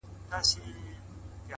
څه کم عقل ماشومان دي د ښارونو -